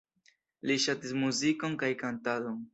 Li ŝatis muzikon kaj kantadon.